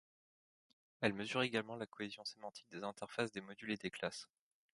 Elle mesure également la cohésion sémantique des interfaces des modules et des classes.